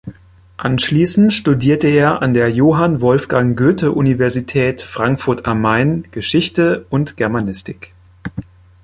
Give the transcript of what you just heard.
Anschließend studierte er an der Johann Wolfgang Goethe-Universität Frankfurt am Main Geschichte und Germanistik.